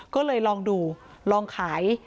ก็เลยลองดูลองขาย